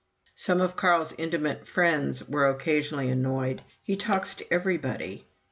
Some of Carl's intimate friends were occasionally annoyed "He talks to everybody."